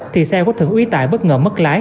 thì xe quá thượng úy tài bất ngờ mất lái